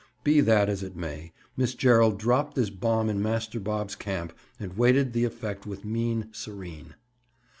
Be that as it may, Miss Gerald dropped this bomb in Master Bob's camp and waited the effect with mien serene.